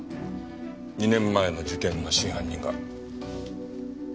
２年前の事件の真犯人が。